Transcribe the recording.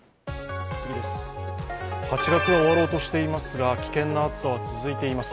８月が終わろうとしていますが危険な暑さは続いています。